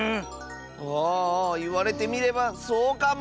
ああああいわれてみればそうかも！